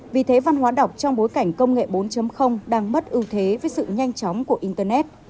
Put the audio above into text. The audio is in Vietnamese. vì thế văn hóa đọc trong bối cảnh công nghệ bốn đang mất ưu thế với sự nhanh chóng của internet